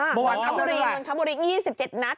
เมื่อวานทะบุรีทะบุรี๒๗นัท